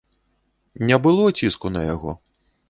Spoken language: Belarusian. Не было ціску на яго.